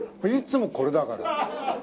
いつもこれだから。